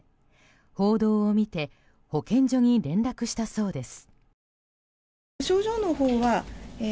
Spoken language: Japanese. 報道を見て保健所に連絡したそうです。